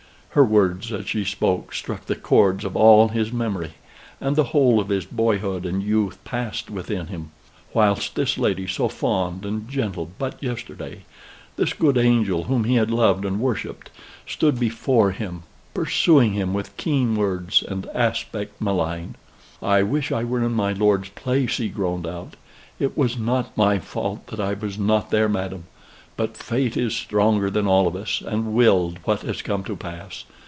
Her words as she spoke struck the chords of all his memory, and the whole of his boyhood and youth passed within him; whilst this lady, so fond and gentle but yesterday this good angel whom he had loved and worshipped stood before him, pursuing him with keen words and aspect malign. "I wish I were in my lord's place," he groaned out. "It was not my fault that I was not there, madam. But Fate is stronger than all of us, and willed what has come to pass.